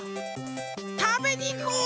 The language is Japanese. たべにいこう！